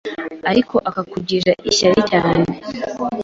ariko akakugirira ishyari cyane